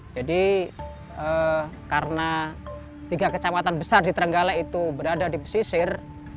jadi karena tiga kecamatan besar di terenggalek itu berada di pesisir